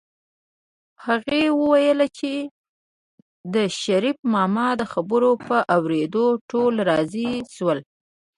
هغې وویل چې د شريف ماما د خبرو په اورېدو ټول راضي شول